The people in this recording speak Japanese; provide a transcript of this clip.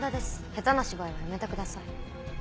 下手な芝居はやめてください。